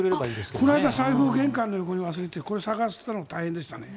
この間財布を玄関の横に忘れてこれは探すのが大変でしたね。